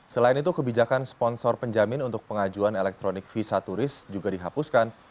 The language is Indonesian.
selain itu kebijakan sponsor penjamin untuk pengajuan elektronik visa turis juga dihapuskan